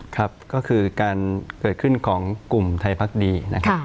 ครับก็คือการเกิดขึ้นของกลุ่มไทยพักดีนะครับ